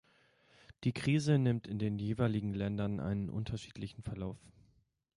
Die Krise nimmt in den jeweiligen Ländern einen unterschiedlichen Verlauf.